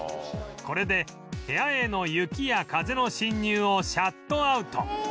これで部屋への雪や風の侵入をシャットアウト